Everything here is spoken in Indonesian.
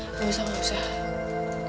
enggak enggak gak usah gakusah